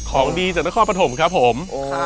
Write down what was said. ของดีจากนครปฐมครับผม